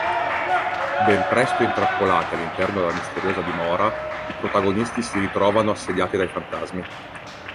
Ben presto intrappolati all'interno della misteriosa dimora, i protagonisti si ritrovano assediati dai fantasmi.